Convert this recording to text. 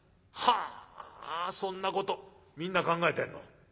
「はあそんなことみんな考えてんの？